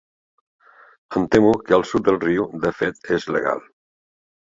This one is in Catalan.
Em temo que al sud del riu, de fet, és legal.